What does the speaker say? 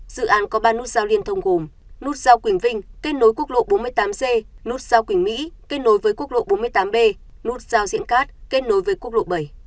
dự án có ba nút giao liên thông gồm nút giao quỳnh vinh kết nối quốc lộ bốn mươi tám g nút giao quỳnh mỹ kết nối với quốc lộ bốn mươi tám b nút giao diễn cát kết nối với quốc lộ bảy